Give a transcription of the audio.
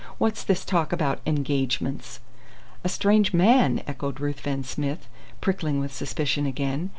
What's this talk about 'engagements'?" "A strange man!" echoed Ruthven Smith, prickling with suspicion again.